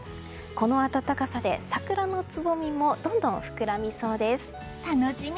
この暖かさで桜のつぼみもどんどん膨らみそうです。